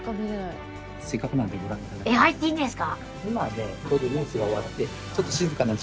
えっ入っていいんですか！？